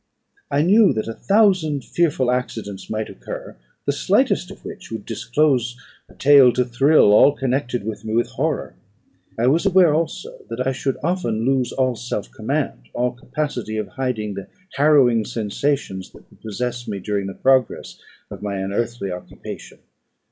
I knew that a thousand fearful accidents might occur, the slightest of which would disclose a tale to thrill all connected with me with horror. I was aware also that I should often lose all self command, all capacity of hiding the harrowing sensations that would possess me during the progress of my unearthly occupation.